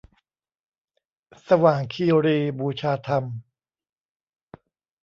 สว่างคีรีบูชาธรรม